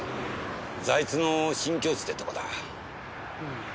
財津の新境地ってとこだ。